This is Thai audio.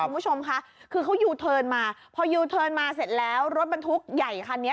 คุณผู้ชมค่ะคือเขามาเสร็จแล้วรถบันทุคใหญ่ค่ะเนี้ย